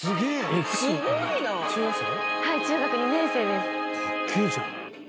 中学２年生です。